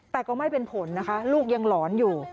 แต่ก็ไม่เป็นผลนะคะลูกยังหลอนอยู่